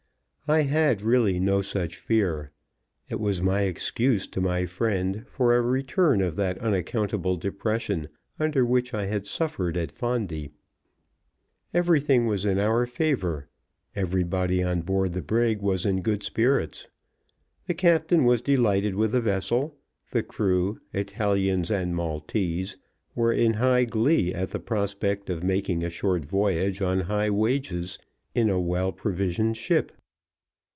I had really no such fear; it was my excuse to my friend for a return of that unaccountable depression under which I had suffered at Fondi. Everything was in our favor; everybody on board the brig was in good spirits. The captain was delighted with the vessel; the crew, Italians and Maltese, were in high glee at the prospect of making a short voyage on high wages in a well provisioned ship.